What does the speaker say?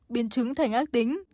biến trứng thành ác tính